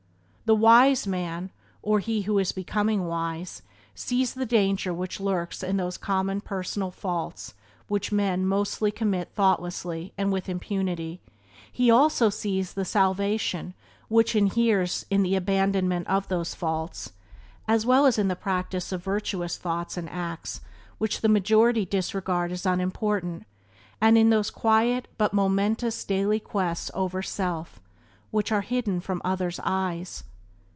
The wise man, or he who is becoming wise, sees the danger which lurks in those common personal faults which men mostly commit thoughtlessly and with impunity; he also sees the salvation which inheres in the abandonment of those faults, as well as in the practice of virtuous thoughts and acts which the majority disregard as unimportant, and in those quiet but momentous daily conquests over self which are hidden from other's eyes.